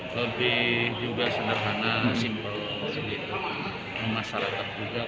lebih juga sederhana simple sendiri masyarakat juga